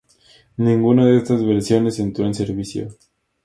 Ninguna de estas versiones entró en servicio.